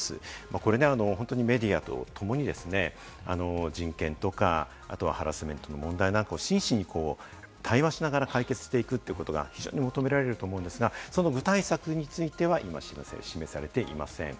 これメディアと共に、人権とかハラスメントの問題なんかを真摯に対話しながら解決していくということが非常に求められると思うんですが、その具体策については、今、示されていません。